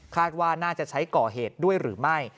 ว่าน่าจะใช้ก่อเหตุด้วยหรือไม่